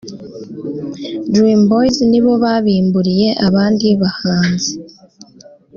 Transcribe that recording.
Dream Boyz ni bo babimburiye abandi bahanzi